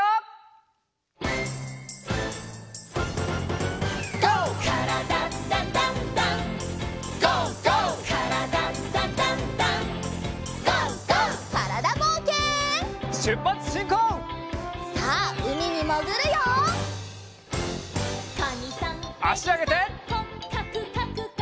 あしあげて。